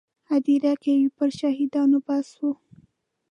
هدیرې کې پر شهیدانو بحث و.